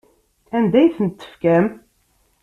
Anda ay tent-tefkam?